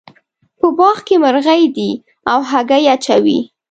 په باغ کې مرغۍ دي او هګۍ اچوې